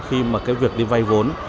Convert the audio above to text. khi mà cái việc đi vay vốn